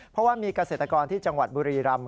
เพราะว่ามีเกษตรกรที่จังหวัดบุรีรำ